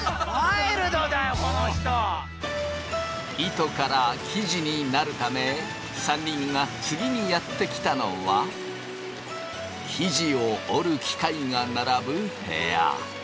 糸から生地になるため３人が次にやって来たのは生地を織る機械が並ぶ部屋。